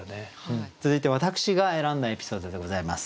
続いて私が選んだエピソードでございます。